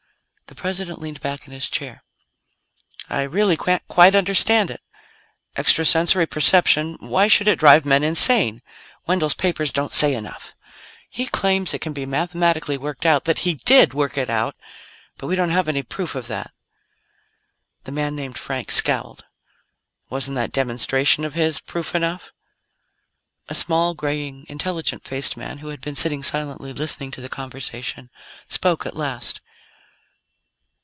The President leaned back in his chair. "I really can't quite understand it. Extra sensory perception why should it drive men insane? Wendell's papers don't say enough. He claims it can be mathematically worked out that he did work it out but we don't have any proof of that." The man named Frank scowled. "Wasn't that demonstration of his proof enough?" A small, graying, intelligent faced man who had been sitting silently, listening to the conversation, spoke at last.